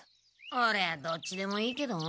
オレはどっちでもいいけど。